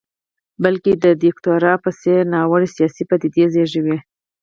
بلکې د دیکتاتورۍ په څېر ناوړه سیاسي پدیدې زېږوي.